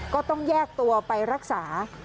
ก็ต้องแยกตัวไปรักษา